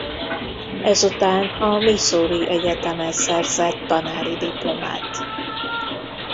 Ezután a Missouri Egyetemen szerzett tanári diplomát.